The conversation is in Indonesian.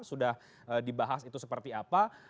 sudah dibahas itu seperti apa